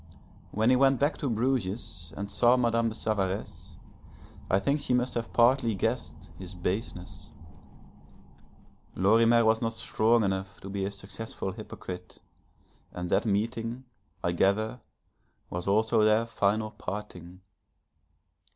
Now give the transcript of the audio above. When he went back to Bruges, and saw Madame de Savaresse, I think she must have partly guessed his baseness. Lorimer was not strong enough to be a successful hypocrite, and that meeting, I gather, was also their final parting.